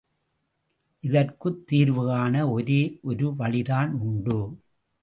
இதற்குத் தீர்வுகாண ஒரே ஒரு வழிதான் உண்டு.